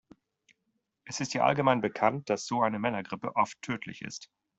Es ist ja allgemein bekannt, dass so eine Männergrippe oft tödlich ist.